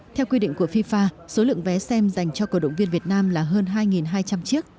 theo quy định của fifa số lượng vé xem dành cho cổ động viên việt nam là hơn hai hai trăm linh chiếc